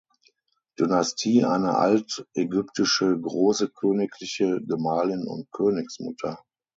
Dynastie eine altägyptische Große königliche Gemahlin und Königsmutter.